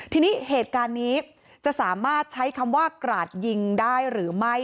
ทีนี้เหตุการณ์นี้จะสามารถใช้คำว่ากราดยิงได้หรือไม่